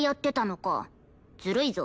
ずるいぞ。